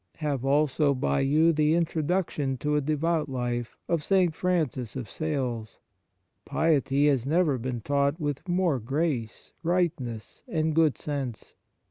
Have also by you the " Introduction to a Devout Life " of St. Francis of Sales. Piety has never been taught Instructions and Reading with more grace, Tightness, and good sense.